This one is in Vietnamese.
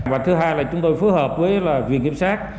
và thứ hai là chúng tôi phối hợp với viện kiểm sát